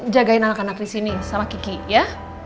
jagain anak anak di sini sama kiki ya